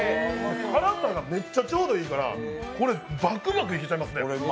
辛さがめっちゃちょうどいいから、これ、バクバクいけちゃいますね。